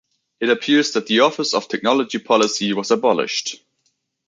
It appears that the Office of Technology Policy was abolished.